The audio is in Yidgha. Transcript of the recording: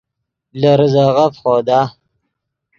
لے ریزغّف خودا